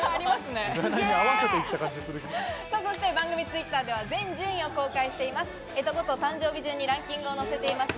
そして番組のＴｗｉｔｔｅｒでは、順位を公開しています。